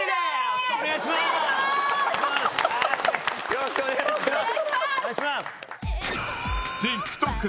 よろしくお願いします。